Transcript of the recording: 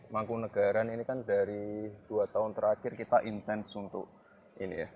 mangkunagaran ini kan dari dua tahun terakhir kita intens untuk ini ya